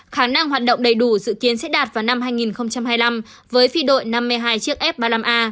khả năng hoạt động đầy đủ dự kiến sẽ đạt vào năm hai nghìn hai mươi năm với phi đội năm mươi hai chiếc f ba mươi năm a